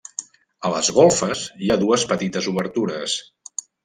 A les golfes, hi ha dues petites obertures.